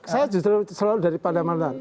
saya justru selalu dari pandamanan